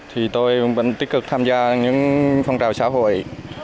thì tôi vẫn tích cực tham gia những phong trào xã hội